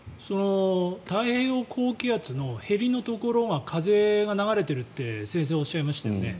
太平洋高気圧のへりのところが風が流れているって先生おっしゃいましたよね。